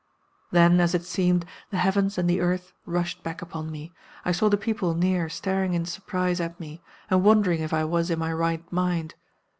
"Then, as it seemed, the heavens and the earth rushed back upon me. I saw the people near staring in surprise at me, and wondering if I was in my right mind.